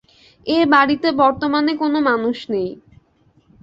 এ বাড়িতে বর্তমানে কোনো মানুষ নেই।